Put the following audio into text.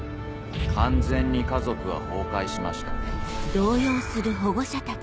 完全に家族は崩壊しました」。